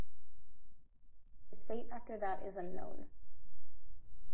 His fate after that is unknown.